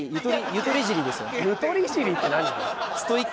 「ゆとり尻」って何？